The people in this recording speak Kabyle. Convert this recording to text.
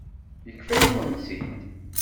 Yefka-yawen-tt-id.